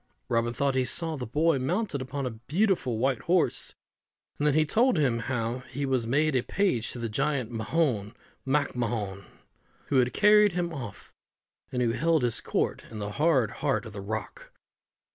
Robin thought he saw the boy mounted upon a beautiful white horse, and that he told him how he was made a page to the giant Mahon MacMahon, who had carried him off, and who held his court in the hard heart of the rock.